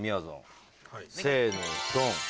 せのドン。